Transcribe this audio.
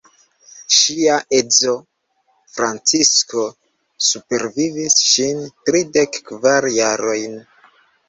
Ŝia edzo Francisko supervivis ŝin tridek kvar jarojn.